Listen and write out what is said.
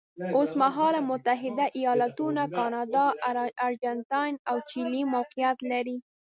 اوس مهال متحده ایالتونه، کاناډا، ارجنټاین او چیلي موقعیت لري.